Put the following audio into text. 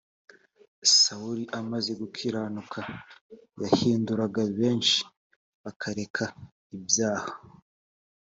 sawuli amaze gukiranuka yahinduraga benshi bakareka ibyaha